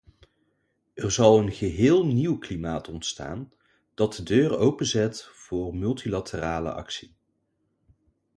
Er zal een geheel nieuw klimaat ontstaan dat de deur openzet voor multilaterale actie.